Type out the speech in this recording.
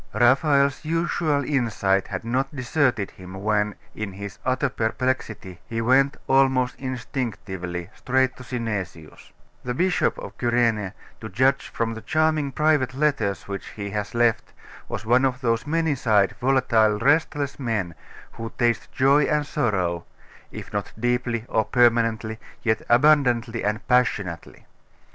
Raphael's usual insight had not deserted him when, in his utter perplexity, he went, almost instinctively, straight to Synesius. The Bishop of Cyrene, to judge from the charming private letters which he has left, was one of those many sided, volatile, restless men, who taste joy and sorrow, if not deeply or permanently, yet abundantly and passionately.